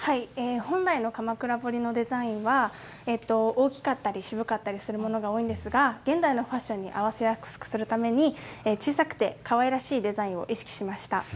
本来の鎌倉彫のデザインは大きかったり渋かったりするものが多いんですが現代のファッションに合わせやすくするために、小さくてかわいらしいデザインを意識しました。